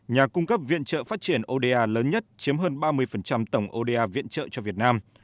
nhà cung cấp viện trợ phát triển oda lớn nhất chiếm hơn ba mươi tổng oda viện trợ cho việt nam